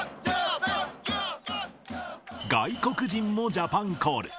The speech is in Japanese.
外国人もジャパンコール。